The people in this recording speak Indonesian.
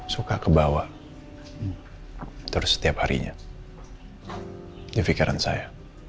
suka kebawa terus setiap harinya di pikiran saya